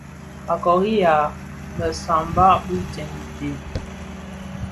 A kôriha më sàbà bi jèm i tsee.